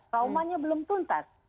traumanya belum tuntas